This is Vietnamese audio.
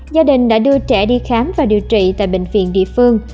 gia đình đã đưa trẻ đi khám và điều trị tại bệnh viện địa phương